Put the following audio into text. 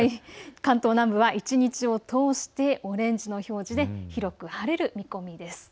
関東南部は一日を通してオレンジの表示で広く晴れる見込みです。